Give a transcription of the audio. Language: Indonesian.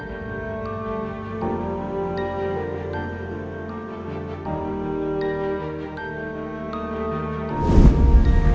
kamu lebih cepat sembuhnya